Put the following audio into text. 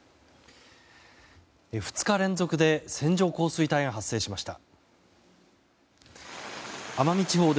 ２日連続で線状降水帯が発生しました。